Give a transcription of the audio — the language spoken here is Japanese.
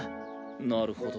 なるほど。